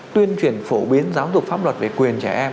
tuyên truyền phổ biến giáo dục pháp luật về quyền trẻ em